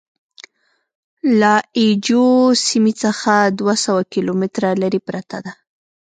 له اي جو سیمې څخه دوه سوه کیلومتره لرې پرته ده.